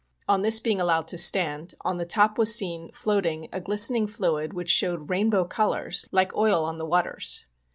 On this being allowed to stand, on the top was seen, floating, a glistening fluid, which showed rainbow colors, like oil on the waters.